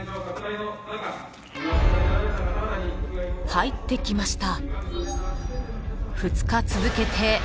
［入ってきました］